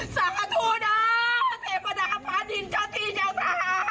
สาธุนะเสพาดาพาดินเจ้าที่เจ้าทาง